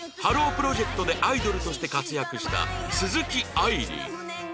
プロジェクトでアイドルとして活躍した鈴木愛理